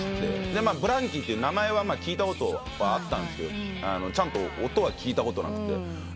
ＢＬＡＮＫＥＹって名前は聞いたことあったんですけどちゃんと音は聴いたことなくて。